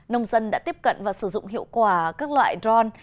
nông dân đã tiếp cận và sử dụng hiệu quả các loại ron